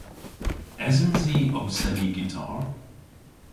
Esens i ow seni gitar?